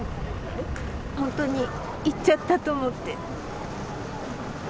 本当に行っちゃったと思って。